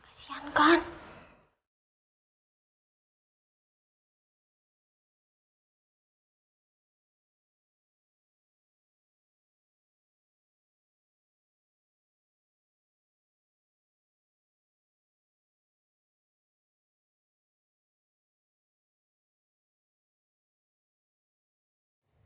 kayaknya dayulah yang mohon tawaran adalah mas brutal